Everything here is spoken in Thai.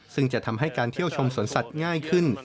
ซึ่งจะทำให้การเที่ยวชมสวนสัตว์ง่ายขึ้น